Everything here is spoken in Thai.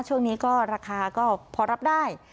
ช่วงนี้ก็ราคาก็พอรับได้